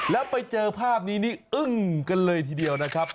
แล้วไปเจอภาพนี้นี่อึ้งกันเลยทีเดียวนะครับ